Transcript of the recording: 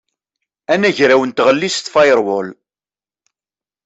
Anagraw n tɣellist firewall.